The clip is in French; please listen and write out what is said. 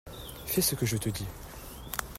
Fais ce que je te dis.